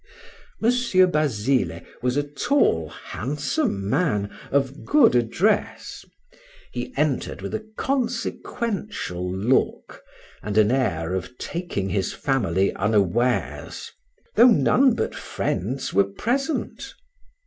M. Basile was a tall handsome man, of good address: he entered with a consequential look and an air of taking his family unawares, though none but friends were present.